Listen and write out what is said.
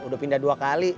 udah pindah dua kali